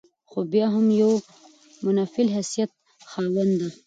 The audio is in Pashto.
خو بيا هم د يوه منفعل حيثيت خاونده